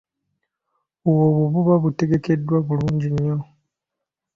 Obwo buba butegekeddwa bulungi nnyo.